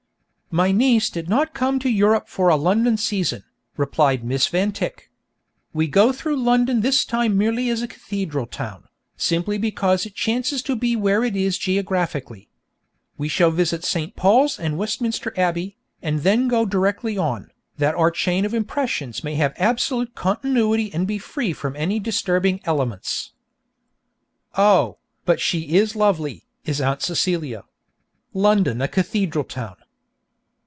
'My niece did not come to Europe for a London season,' replied Miss Van Tyck. 'We go through London this time merely as a cathedral town, simply because it chances to be where it is geographically. We shall visit St. Paul's and Westminster Abbey, and then go directly on, that our chain of impressions may have absolute continuity and be free from any disturbing elements.' Oh, but she is lovely, is Aunt Celia! London a cathedral town!